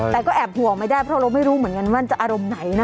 แต่ก็แอบห่วงไม่ได้เพราะเราไม่รู้เหมือนกันว่าจะอารมณ์ไหนนะ